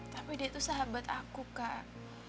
tapi dia itu sahabat aku kak